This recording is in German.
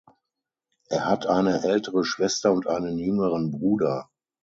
Er hat eine ältere Schwester und einen jüngeren Bruder.